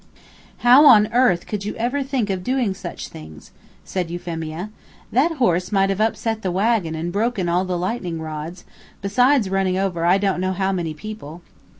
"How on earth could you ever think of doing such things?" said Euphemia. "That horse might have upset the wagon and broken all the lightning rods, besides running over I don't know how many people."